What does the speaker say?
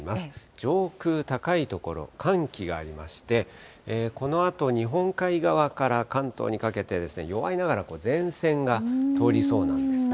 上空、高い所、寒気がありまして、このあと日本海側から関東にかけて、弱いながら、前線が通りそうなんですね。